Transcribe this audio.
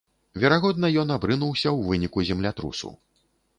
Верагодна, ён абрынуўся ў выніку землятрусу.